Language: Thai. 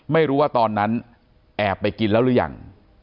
ไม่รู้ว่าตอนนั้นแอบไปกินแล้วหรือยัง